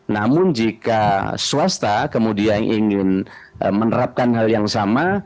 namun jika swasta kemudian ingin menerapkan hal yang sama